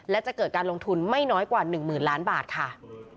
และจะเกิดการลงทุนไม่น้อยกว่า๑๐๐๐ล้านบาทค่ะ